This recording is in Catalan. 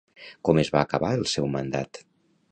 Com es va acabar el seu mandat?